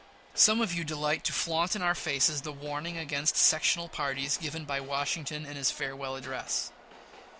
Some of you delight to flaunt in our faces the warning against sectional parties given by Washington in his Farewell Address.